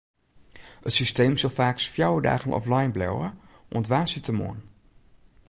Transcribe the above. It systeem sil faaks fjouwer dagen offline bliuwe, oant woansdeitemoarn.